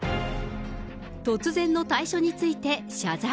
突然の退所について、謝罪。